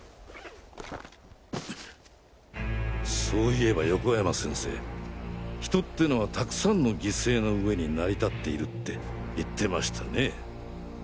そういえば横山先生人ってのはたくさんの犠牲の上に成り立っているって言ってましたねぇ。